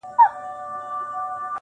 چي پیسې لري بس هغه دي ښاغلي-